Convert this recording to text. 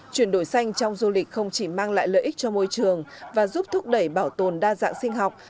chuyển đổi xanh trong du lịch không chỉ mang lại lợi ích cho môi trường và giúp thúc đẩy bảo tồn đa dạng sinh học